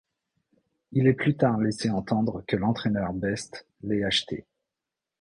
Il est plus tard laissé entendre que l'entraîneur Beiste l'aie acheté.